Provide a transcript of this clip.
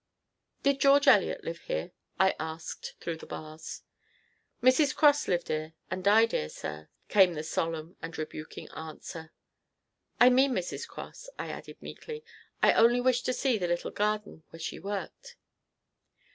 "Did George Eliot live here?" I asked through the bars. "Mrs. Cross lived 'ere and died 'ere, sir," came the solemn and rebuking answer. "I mean Mrs. Cross," I added meekly; "I only wished to see the little garden where she worked."